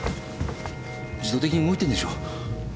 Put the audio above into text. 自動的に動いてんでしょう。